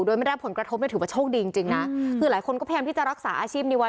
โดยไม่ได้รับผลกระทบเนี่ยถือว่าโชคดีจริงจริงนะคือหลายคนก็พยายามที่จะรักษาอาชีพนี้ไว้